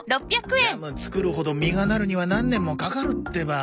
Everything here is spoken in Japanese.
ジャム作るほど実がなるには何年もかかるってば。